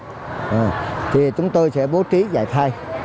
nếu giáo viên bị f thì chúng tôi sẽ bố trí dạy thay